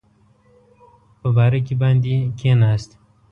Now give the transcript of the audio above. په بارکي باندې کېناست.